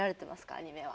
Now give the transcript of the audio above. アニメは。